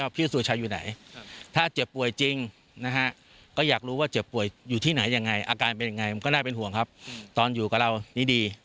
พี่สุชัยอยู่ไหนถ้าเจ็บป่วยจริงนะฮะก็อยากรู้ว่าเจ็บป่วยอยู่ที่ไหนยังไงอาการเป็นยังไงมันก็น่าเป็นห่วงครับตอนอยู่กับเรานี่ดี